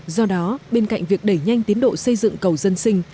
do đó bên cạnh việc đẩy nhanh tiến độ xây dựng cầu dân sinh